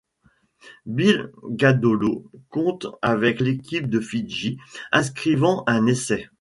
Bill Gadolo compte avec l'équipe de Fidji, inscrivant un essai.